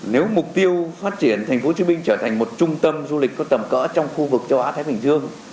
nếu mục tiêu phát triển thành phố hồ chí minh trở thành một trung tâm du lịch có tầm cỡ trong khu vực châu á thái bình dương